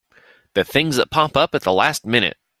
The things that pop up at the last minute!